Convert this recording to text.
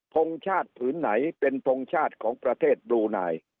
ทงชาติผืนไหนเป็นทงชาติของประเทศบลูนาย